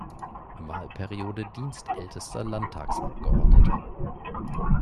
Wahlperiode dienstältester Landtagsabgeordneter.